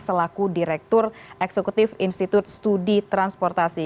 selaku direktur eksekutif institut studi transportasi